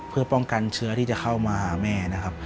เพื่อป้องกันเชื้อที่จะเข้ามาหาแม่นะครับ